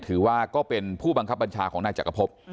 ถือว่าเป็นผู้บังคับบัญชาของนายจักรพบ